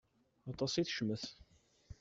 Aṭas i tecmet.